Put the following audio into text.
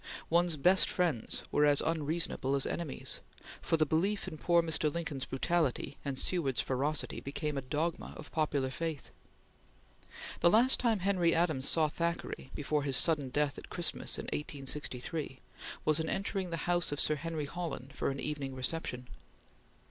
One's best friends were as unreasonable as enemies, for the belief in poor Mr. Lincoln's brutality and Seward's ferocity became a dogma of popular faith. The last time Henry Adams saw Thackeray, before his sudden death at Christmas in 1863, was in entering the house of Sir Henry Holland for an evening reception.